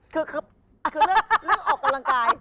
คือเรื่องออกกำลังกาย